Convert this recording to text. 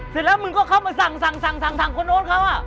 เสร็จแล้วมึงก็เข้ามาสั่งคนโน้นเขา